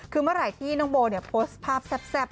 คือเมื่อไหร่ที่น้องโบเนี่ยโพสต์ภาพแซ่บ